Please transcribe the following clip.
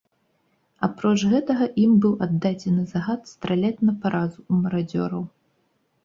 Апроч гэтага ім быў аддадзены загад страляць на паразу ў марадзёраў.